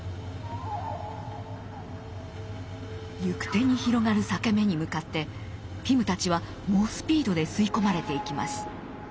行く手に広がる裂け目に向かってピムたちは猛スピードで吸い込まれていきます。